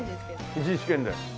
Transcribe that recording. １次試験で。